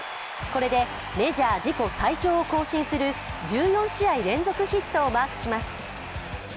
これでメジャー自己最長を更新する１４試合連続ヒットをマークします。